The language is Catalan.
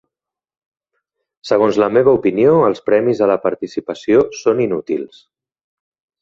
Segons la meva opinió, els premis a la participació són inútils.